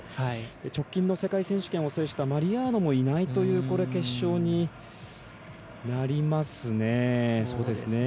直近の世界選手権を制したマリアーノもいないという決勝になりますね。